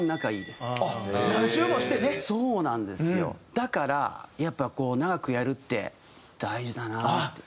だからやっぱこう長くやるって大事だなって。